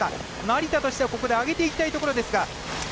成田としてはここで上げていきたいところですが。